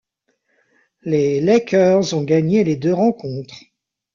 Les Lakers ont gagné les deux rencontres.